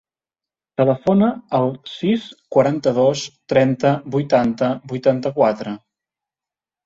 Telefona al sis, quaranta-dos, trenta, vuitanta, vuitanta-quatre.